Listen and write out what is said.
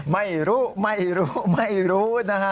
ไม่รู้ไม่รู้ไม่รู้